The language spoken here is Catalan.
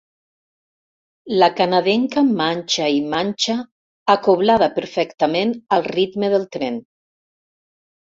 La canadenca manxa i manxa, acoblada perfectament al ritme del tren.